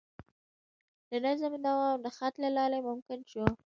د نظم دوام د خط له لارې ممکن شو.